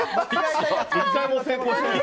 １回も成功してない。